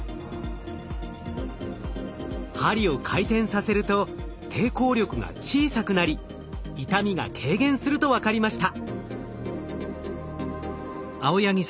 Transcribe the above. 針を回転させると抵抗力が小さくなり痛みが軽減すると分かりました。